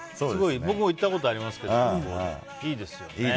僕も行ったことありますけどいいですよね。